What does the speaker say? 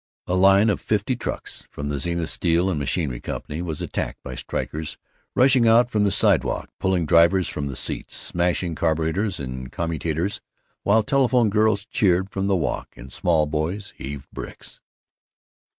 A line of fifty trucks from the Zenith Steel and Machinery Company was attacked by strikers rushing out from the sidewalk, pulling drivers from the seats, smashing carburetors and commutators, while telephone girls cheered from the walk, and small boys heaved bricks.